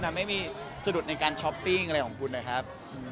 ทำให้มีสะดุดในการช้อปปิ้งอะไรของคุณนะครับ